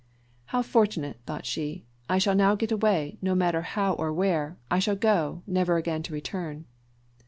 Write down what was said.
"How fortunate!" thought she; "I shall now get away no matter how or where, I shall go, never again to return."